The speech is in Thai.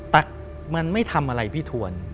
ทำอะไรพี่ทวน